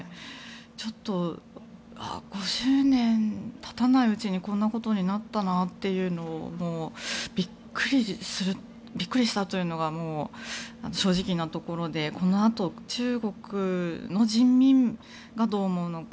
ちょっと５０年たたないうちにこんなことになったなというのをびっくりしたというのが正直なところでこのあと中国の人民がどう思うのか